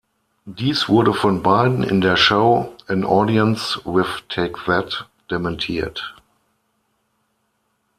Dies wurde von beiden in der Show "An Audience with Take That" dementiert.